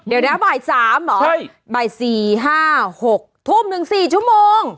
เดี๋ยวเนี้ยบ่ายสามเหรอใช่บ่ายสี่ห้าหกทุ่มถึงสี่ชั่วโมง